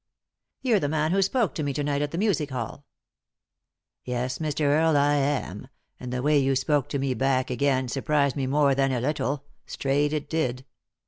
" You're the man who spoke to me to night at the music hall." " Yes, Mr. Earle, I am ; and the way you spoke to me back again surprised me more than a little ; straight it did."